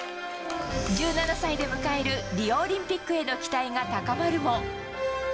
１７歳で迎えるリオオリンピックへの期待が高まるも。